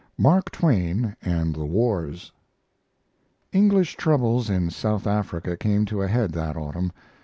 MARK TWAIN AND THE WARS English troubles in South Africa came to a head that autumn.